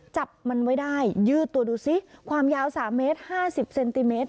จับมันไว้ได้ยืดตัวดูสิความยาว๓เมตร๕๐เซนติเมตร